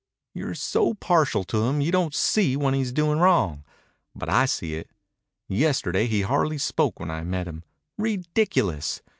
"You're so partial to him you don't see when he's doing wrong. But I see it. Yesterday he hardly spoke when I met him. Ridiculous.